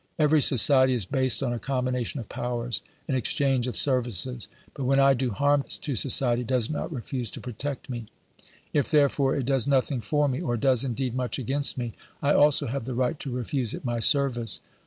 Every society is based on a combination of powers, an exchange of services ; but when I do harm to society does it not refuse to protect me? If, therefore, it does nothing for me, or does indeed much against me, I also have the right to refuse it my service.